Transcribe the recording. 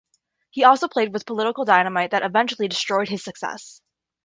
He also played with political dynamite that eventually destroyed his success.